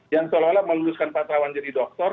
yang seolah olah meluluskan pak terawan jadi doktor